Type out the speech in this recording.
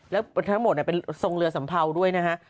แล้วทั้งหมดเป็นทรงเรือสัมเภาด้วยนะฮะ